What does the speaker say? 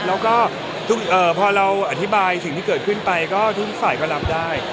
แล้วก็พอเราอธิบายสิ่งที่เกิดขึ้นไปก็ทุกฝ่ายก็รับได้